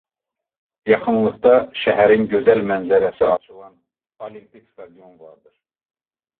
Yaxınlıqda şəhərin gözəl mənzərəsi açılan Olimpik stadion vardır.